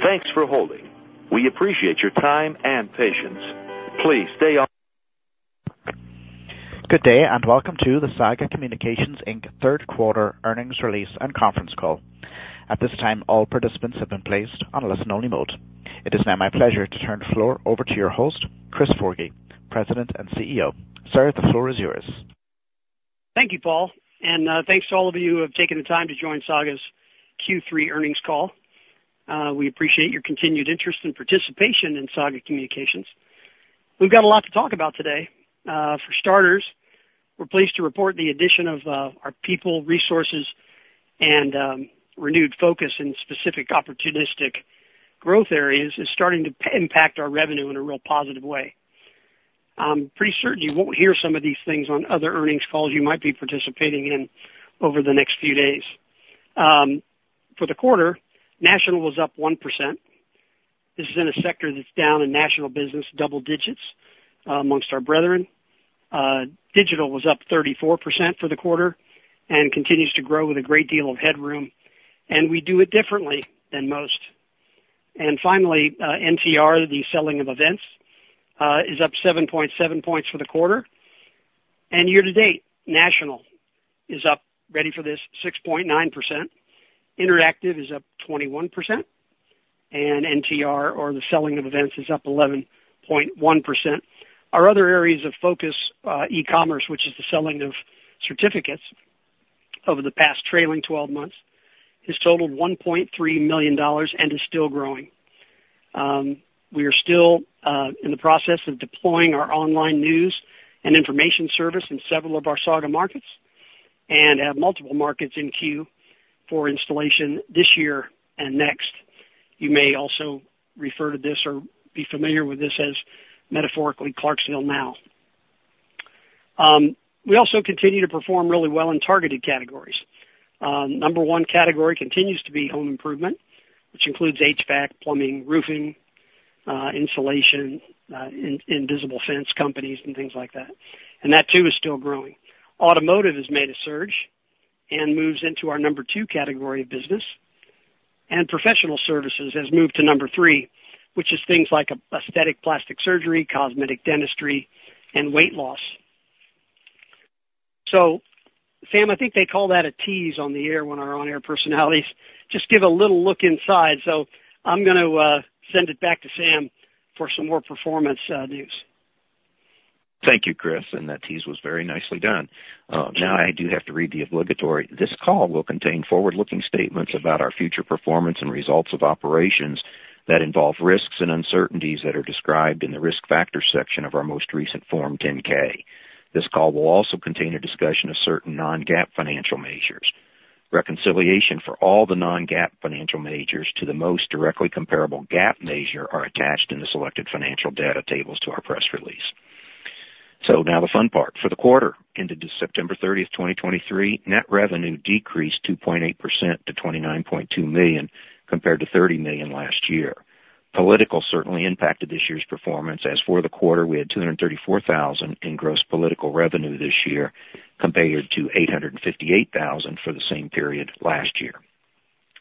Good day, and welcome to the Saga Communications Inc. third quarter earnings release and conference call. At this time, all participants have been placed on a listen-only mode. It is now my pleasure to turn the floor over to your host, Chris Forgy, President and CEO. Sir, the floor is yours. Thank you, Paul, and thanks to all of you who have taken the time to join Saga's Q3 earnings call. We appreciate your continued interest and participation in Saga Communications. We've got a lot to talk about today. For starters, we're pleased to report the addition of our people, resources, and renewed focus in specific opportunistic growth areas is starting to impact our revenue in a real positive way. I'm pretty certain you won't hear some of these things on other earnings calls you might be participating in over the next few days. For the quarter, national was up 1%. This is in a sector that's down in national business, double digits, amongst our brethren. Digital was up 34% for the quarter and continues to grow with a great deal of headroom, and we do it differently than most. And finally, NTR, the selling of events, is up 7.7 points for the quarter. Year to date, national is up, ready for this, 6.9%. Interactive is up 21%, and NTR, or the selling of events, is up 11.1%. Our other areas of focus, e-commerce, which is the selling of certificates over the past trailing 12 months, has totaled $1.3 million and is still growing. We are still in the process of deploying our online news and information service in several of our Saga markets and have multiple markets in queue for installation this year and next. You may also refer to this or be familiar with this as metaphorically, Clarksville Now. We also continue to perform really well in targeted categories. Number one category continues to be home improvement, which includes HVAC, plumbing, roofing, insulation, invisible fence companies, and things like that. And that, too, is still growing. Automotive has made a surge and moves into our number two category of business, and professional services has moved to number three, which is things like aesthetic plastic surgery, cosmetic dentistry, and weight loss. So, Sam, I think they call that a tease on the air when our on-air personalities just give a little look inside. So I'm gonna send it back to Sam for some more performance news. Thank you, Chris, and that tease was very nicely done. Now I do have to read the obligatory: This call will contain forward-looking statements about our future performance and results of operations that involve risks and uncertainties that are described in the Risk Factors section of our most recent Form 10-K. This call will also contain a discussion of certain non-GAAP financial measures. Reconciliation for all the non-GAAP financial measures to the most directly comparable GAAP measure are attached in the selected financial data tables to our press release. So now the fun part. For the quarter ended September 30, 2023, net revenue decreased 2.8% to $29.2 million, compared to $30 million last year. Political certainly impacted this year's performance. As for the quarter, we had $234,000 in gross political revenue this year, compared to $858,000 for the same period last year.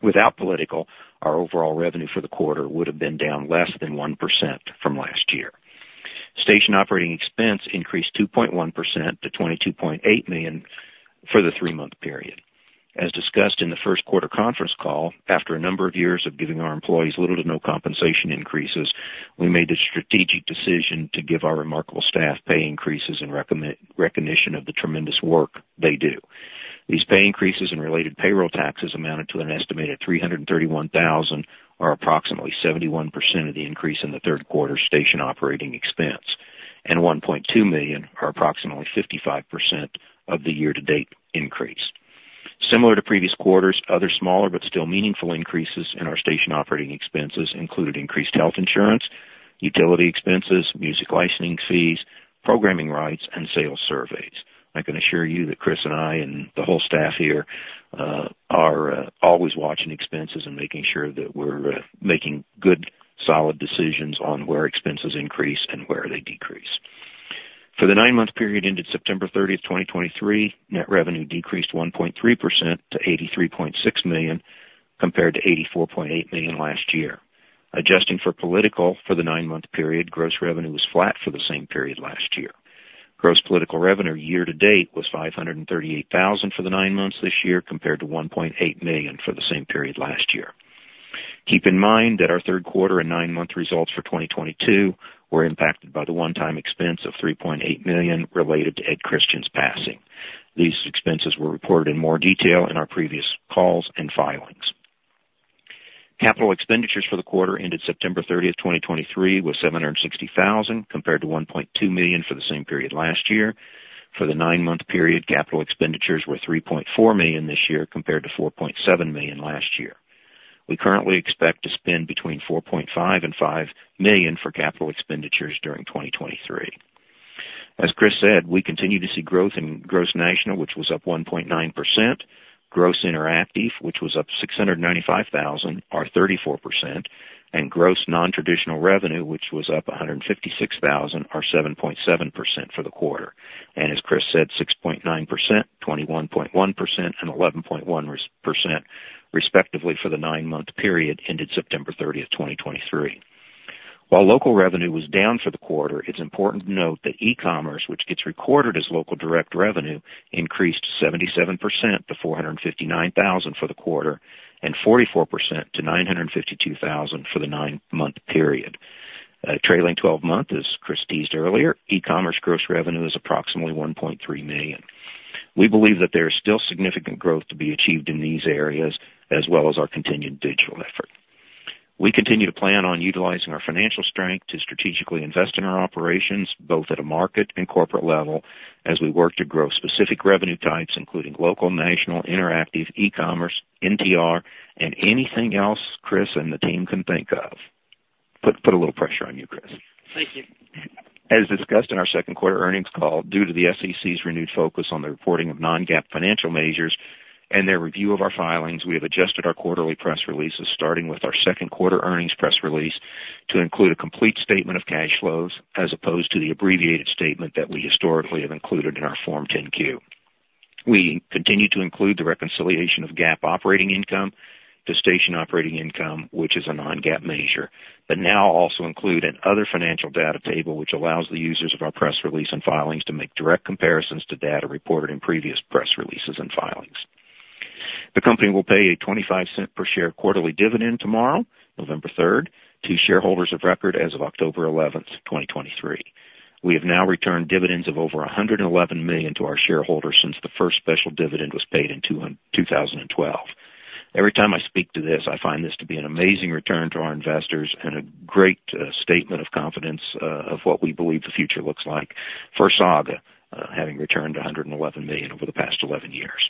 Without political, our overall revenue for the quarter would have been down less than 1% from last year. Station Operating Expense increased 2.1% to $22.8 million for the three-month period. As discussed in the first quarter conference call, after a number of years of giving our employees little to no compensation increases, we made a strategic decision to give our remarkable staff pay increases in recognition of the tremendous work they do. These pay increases and related payroll taxes amounted to an estimated $331,000, or approximately 71% of the increase in the third quarter Station Operating Expense, and $1.2 million, or approximately 55% of the year-to-date increase. Similar to previous quarters, other smaller but still meaningful increases in our Station Operating Expenses included increased health insurance, utility expenses, music licensing fees, programming rights, and sales surveys. I can assure you that Chris and I and the whole staff here are always watching expenses and making sure that we're making good, solid decisions on where expenses increase and where they decrease. For the nine-month period ended September 30, 2023, net revenue decreased 1.3% to $83.6 million, compared to $84.8 million last year. Adjusting for political for the nine-month period, gross revenue was flat for the same period last year. Gross political revenue year to date was $538,000 for the nine months this year, compared to $1.8 million for the same period last year. Keep in mind that our third quarter and nine-month results for 2022 were impacted by the one-time expense of $3.8 million related to Ed Christian's passing. These expenses were reported in more detail in our previous calls and filings. Capital expenditures for the quarter ended September 30, 2023, was $760,000, compared to $1.2 million for the same period last year. For the nine-month period, capital expenditures were $3.4 million this year, compared to $4.7 million last year. We currently expect to spend between $4.5 million and $5 million for capital expenditures during 2023. As Chris said, we continue to see growth in gross national, which was up 1.9%, gross interactive, which was up $695,000 or 34%, and gross nontraditional revenue, which was up $156,000 or 7.7% for the quarter. And as Chris said, 6.9%, 21.1%, and 11.1% respectively for the nine-month period ended September 30, 2023.... While local revenue was down for the quarter, it's important to note that e-commerce, which gets recorded as local direct revenue, increased 77% to $459,000 for the quarter and 44% to $952,000 for the nine-month period. Trailing 12-month, as Chris teased earlier, e-commerce gross revenue is approximately $1.3 million. We believe that there is still significant growth to be achieved in these areas, as well as our continued digital effort. We continue to plan on utilizing our financial strength to strategically invest in our operations, both at a market and corporate level, as we work to grow specific revenue types, including local, national, interactive, e-commerce, NTR, and anything else Chris and the team can think of. Put a little pressure on you, Chris. Thank you. As discussed in our second quarter earnings call, due to the SEC's renewed focus on the reporting of non-GAAP financial measures and their review of our filings, we have adjusted our quarterly press releases, starting with our second quarter earnings press release, to include a complete statement of cash flows as opposed to the abbreviated statement that we historically have included in our Form 10-Q. We continue to include the reconciliation of GAAP operating income to station operating income, which is a non-GAAP measure, but now also include another financial data table, which allows the users of our press release and filings to make direct comparisons to data reported in previous press releases and filings. The company will pay a $0.25 per share quarterly dividend tomorrow, November 3rd, to shareholders of record as of October 11, 2023. We have now returned dividends of over $111 million to our shareholders since the first special dividend was paid in 2012. Every time I speak to this, I find this to be an amazing return to our investors and a great statement of confidence of what we believe the future looks like for Saga, having returned $111 million over the past 11 years.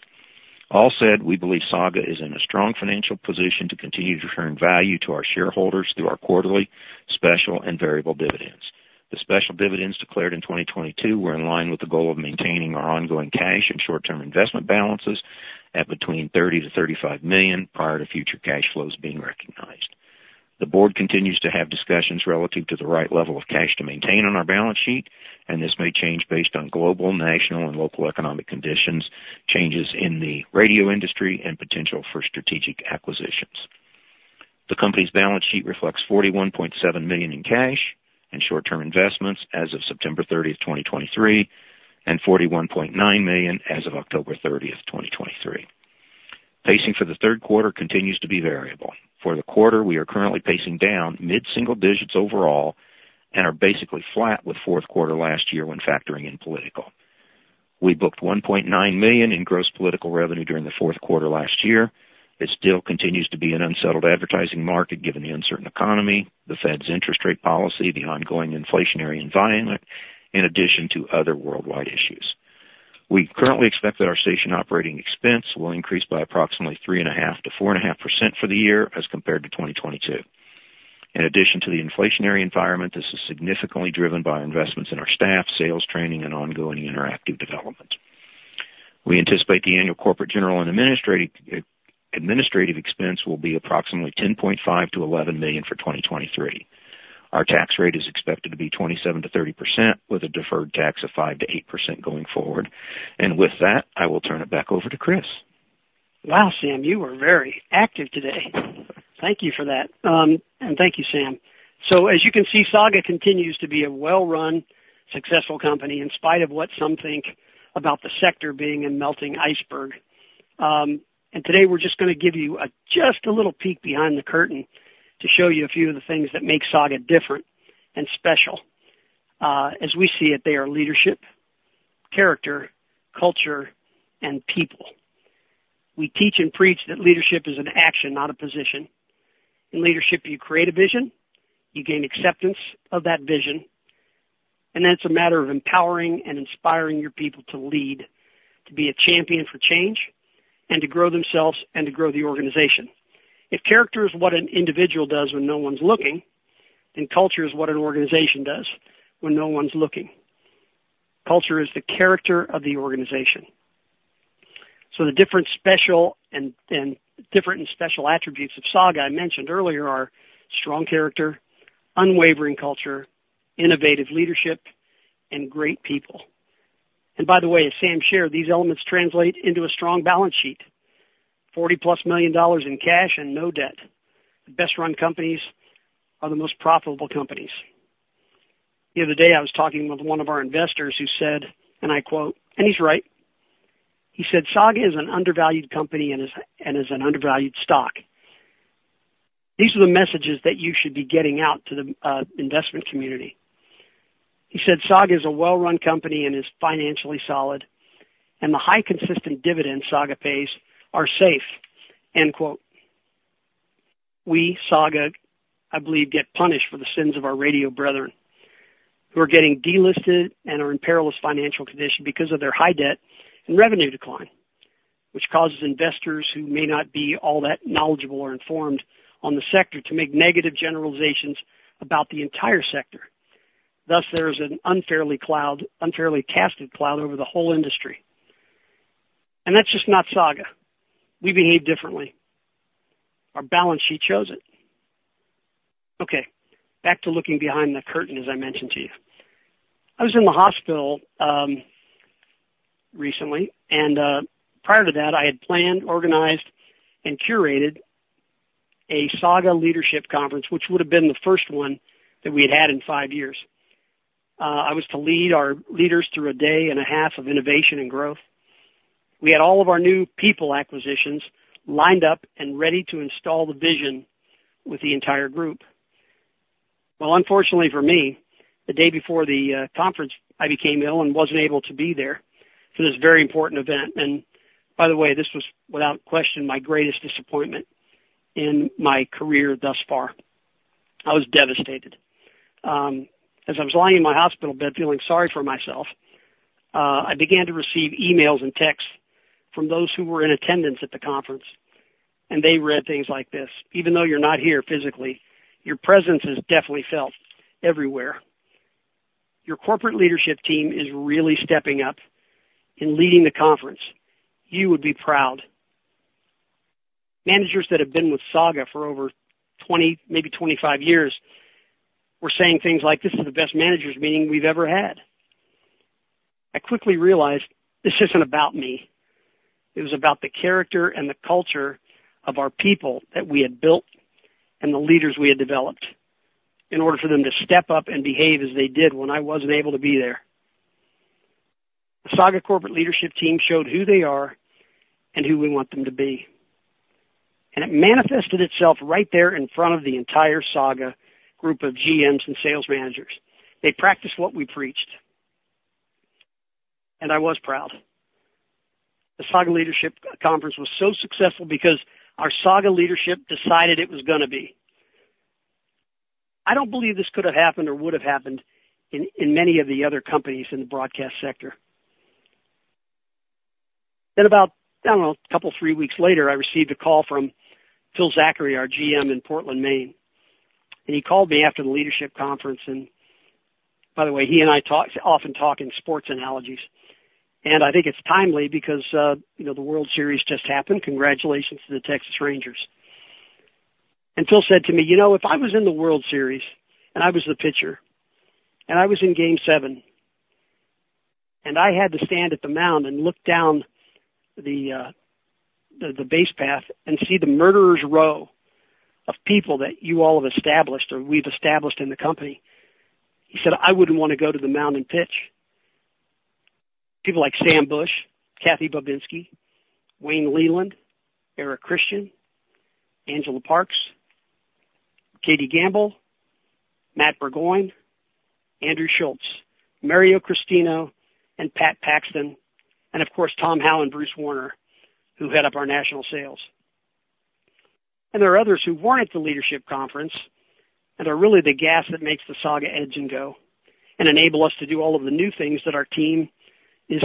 All said, we believe Saga is in a strong financial position to continue to return value to our shareholders through our quarterly, special, and variable dividends. The special dividends declared in 2022 were in line with the goal of maintaining our ongoing cash and short-term investment balances at between $30 million-$35 million, prior to future cash flows being recognized. The board continues to have discussions relative to the right level of cash to maintain on our balance sheet, and this may change based on global, national, and local economic conditions, changes in the radio industry and potential for strategic acquisitions. The company's balance sheet reflects $41.7 million in cash and short-term investments as of September 30, 2023, and $41.9 million as of October 30th, 2023. Pacing for the third quarter continues to be variable. For the quarter, we are currently pacing down mid-single digits overall and are basically flat with fourth quarter last year when factoring in political. We booked $1.9 million in gross political revenue during the fourth quarter last year. It still continues to be an unsettled advertising market, given the uncertain economy, the Fed's interest rate policy, the ongoing inflationary environment, in addition to other worldwide issues. We currently expect that our Station Operating Expense will increase by approximately 3.5%-4.5% for the year as compared to 2022. In addition to the inflationary environment, this is significantly driven by investments in our staff, sales, training, and ongoing interactive development. We anticipate the annual corporate, general, and administrative, administrative expense will be approximately $10.5 million-$11 million for 2023. Our tax rate is expected to be 27%-30%, with a deferred tax of 5%-8% going forward. With that, I will turn it back over to Chris. Wow, Sam, you were very active today. Thank you for that, and thank you, Sam. So as you can see, Saga continues to be a well-run, successful company in spite of what some think about the sector being a melting iceberg. And today we're just gonna give you just a little peek behind the curtain to show you a few of the things that make Saga different and special. As we see it, they are leadership, character, culture, and people. We teach and preach that leadership is an action, not a position. In leadership, you create a vision, you gain acceptance of that vision, and then it's a matter of empowering and inspiring your people to lead, to be a champion for change, and to grow themselves and to grow the organization. If character is what an individual does when no one's looking, then culture is what an organization does when no one's looking. Culture is the character of the organization. So the different, special, and different and special attributes of Saga I mentioned earlier are strong character, unwavering culture, innovative leadership, and great people. And by the way, as Sam shared, these elements translate into a strong balance sheet, $40+ million in cash and no debt. The best-run companies are the most profitable companies. The other day, I was talking with one of our investors who said, and I quote, and he's right. He said, "Saga is an undervalued company and is an undervalued stock. These are the messages that you should be getting out to the investment community." He said, "Saga is a well-run company and is financially solid, and the high, consistent dividends Saga pays are safe." End quote. We, Saga, I believe, get punished for the sins of our radio brethren, who are getting delisted and are in perilous financial condition because of their high debt and revenue decline, which causes investors who may not be all that knowledgeable or informed on the sector to make negative generalizations about the entire sector. Thus, there is an unfairly casted cloud over the whole industry. And that's just not Saga. We behave differently. Our balance sheet shows it. Okay, back to looking behind the curtain, as I mentioned to you. I was in the hospital... recently, and prior to that, I had planned, organized, and curated a Saga Leadership Conference, which would have been the first one that we had had in five years. I was to lead our leaders through a day and a half of innovation and growth. We had all of our new people acquisitions lined up and ready to install the vision with the entire group. Well, unfortunately for me, the day before the conference, I became ill and wasn't able to be there for this very important event. And by the way, this was, without question, my greatest disappointment in my career thus far. I was devastated. As I was lying in my hospital bed feeling sorry for myself, I began to receive emails and texts from those who were in attendance at the conference, and they read things like this: "Even though you're not here physically, your presence is definitely felt everywhere. Your corporate leadership team is really stepping up in leading the conference. You would be proud." Managers that have been with Saga for over 20 years, maybe 25 years, were saying things like, "This is the best Managers meeting we've ever had." I quickly realized this isn't about me. It was about the character and the culture of our people that we had built and the leaders we had developed in order for them to step up and behave as they did when I wasn't able to be there. The Saga corporate leadership team showed who they are and who we want them to be, and it manifested itself right there in front of the entire Saga group of GMs and sales managers. They practiced what we preached, and I was proud. The Saga Leadership Conference was so successful because our Saga leadership decided it was gonna be. I don't believe this could have happened or would have happened in many of the other companies in the broadcast sector. Then about, I don't know, a couple, three weeks later, I received a call from Phil Zachary, our GM in Portland, Maine, and he called me after the leadership conference. And by the way, he and I talk, often talk in sports analogies, and I think it's timely because, you know, the World Series just happened. Congratulations to the Texas Rangers. Phil said to me, "You know, if I was in the World Series and I was the pitcher, and I was in game seven, and I had to stand at the mound and look down the base path and see the murderer's row of people that you all have established or we've established in the company," he said, "I wouldn't want to go to the mound and pitch." People like Sam Bush, Kathy Babinski, Wayne Leland, Eric Christian, Angela Parks, Katie Gamble, Matt Burgoyne, Andrew Schultz, Mario Cristino, and Pat Paxton, and of course, Tom Howe and Bruce Warner, who head up our national sales. There are others who weren't at the leadership conference and are really the gas that makes the Saga engine go and enable us to do all of the new things that our team is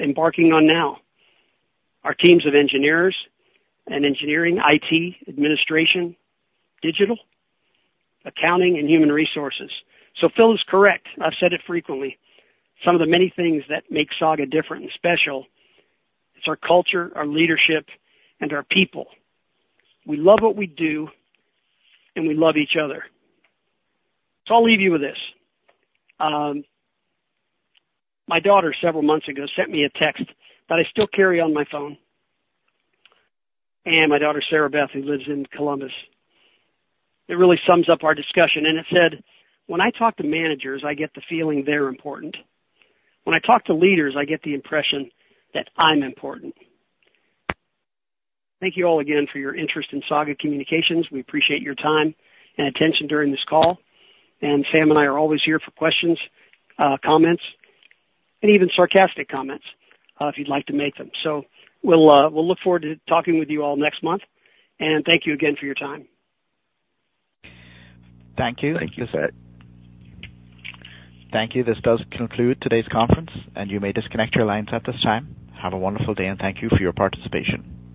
embarking on now. Our teams of engineers and engineering, IT, administration, digital, accounting, and human resources. So Phil is correct. I've said it frequently. Some of the many things that make Saga different and special, it's our culture, our leadership, and our people. We love what we do, and we love each other. So I'll leave you with this. My daughter, several months ago, sent me a text that I still carry on my phone, and my daughter, Sarah Beth, who lives in Columbus. It really sums up our discussion, and it said, "When I talk to managers, I get the feeling they're important. When I talk to leaders, I get the impression that I'm important." Thank you all again for your interest in Saga Communications. We appreciate your time and attention during this call, and Sam and I are always here for questions, comments, and even sarcastic comments, if you'd like to make them. So we'll look forward to talking with you all next month, and thank you again for your time. Thank you. Thank you, sir. Thank you. This does conclude today's conference, and you may disconnect your lines at this time. Have a wonderful day, and thank you for your participation.